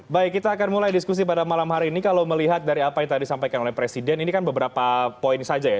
baik kita akan mulai diskusi pada malam hari ini kalau melihat dari apa yang tadi disampaikan oleh presiden ini kan beberapa poin saja ya